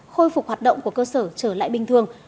khôi phục hoạt động của cơ sở trở lại bình thường